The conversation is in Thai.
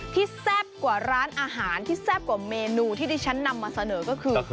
แซ่บกว่าร้านอาหารที่แซ่บกว่าเมนูที่ที่ฉันนำมาเสนอก็คือ